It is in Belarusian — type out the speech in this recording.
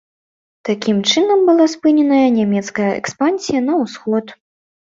Такім чынам была спыненая нямецкая экспансія на ўсход.